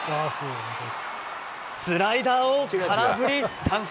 スライダーを空振り三振。